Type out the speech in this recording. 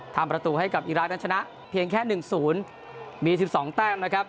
ทำประตูให้กับอีรักษ์นั้นชนะเพียงแค่๑๐มี๑๒แต้มนะครับ